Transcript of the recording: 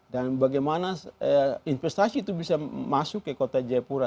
dan bagaimana investasi itu bisa masuk ke kota jayapura